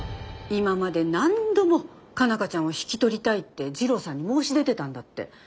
今まで何度も佳奈花ちゃんを引き取りたいって次郎さんに申し出てたんだって。